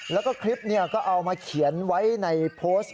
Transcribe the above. แล้วก็คลิปนี้ก็เอามาเขียนไว้ในโพสต์